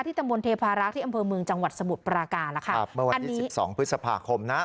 ที่ตำรวจเทพารักษณ์ที่อำเภอเมืองจังหวัดสมุทรปราการนะคะอันนี้๑๒พฤษภาคมนะ